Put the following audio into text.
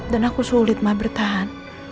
dan aku sulit ma bertahan